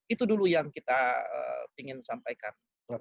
itu dulu yang kita ingin sampaikan